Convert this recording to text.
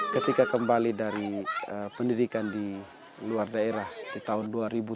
ketika kembali dari pendidikan di luar daerah di tahun dua ribu sepuluh